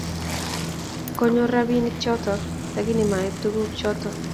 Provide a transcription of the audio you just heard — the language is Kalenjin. konyor rabinik choto lakini ma ib tuguk choto